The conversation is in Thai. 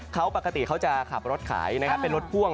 เขาปกติจะขับรถขายเป็นรถพ่วง